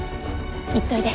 行っといで。